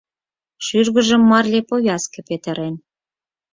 Шӱргыжым марле повязке петырен.